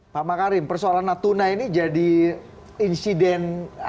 pak makarim persoalan natuna ini jadi insiden